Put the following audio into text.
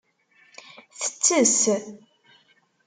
Tettess.